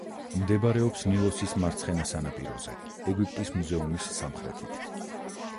მდებარეობს ნილოსის მარცხენა სანაპიროზე, ეგვიპტის მუზეუმის სამხრეთით.